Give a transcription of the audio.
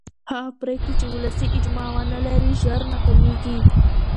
هغه پرېکړې چې ولسي اجماع ونه لري ژر ناکامېږي